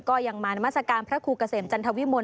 ก็ยังมานามัศกาลพระครูเกษมจันทวิมล